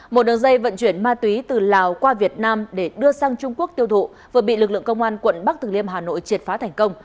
một đường dây vận chuyển ma túy từ lào qua việt nam để đưa sang trung quốc tiêu thụ vừa bị lực lượng công an quận bắc từ liêm hà nội triệt phá thành công